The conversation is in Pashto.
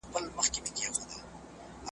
سره غوښه او چاړه سوه